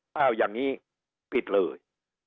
เอาอย่างนี้ปิดเลย